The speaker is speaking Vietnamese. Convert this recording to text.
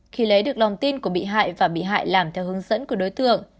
khi lấy được lòng tin của bị hại và bị hại làm theo hướng dẫn của đối tượng